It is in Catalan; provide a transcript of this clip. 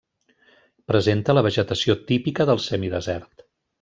Presenta la vegetació típica del semidesert.